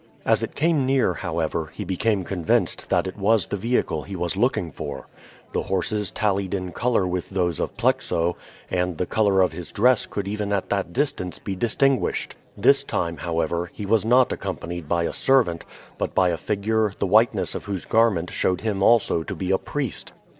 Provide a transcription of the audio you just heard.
As it came near, however, he became convinced that it was the vehicle he was looking for. The horses tallied in color with those of Plexo, and the color of his dress could even at that distance be distinguished. This time, however, he was not accompanied by a servant, but by a figure the whiteness of whose garment showed him also to be a priest.